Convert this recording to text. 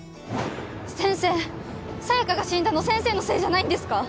先生沙耶香が死んだの先生のせいじゃないんですか？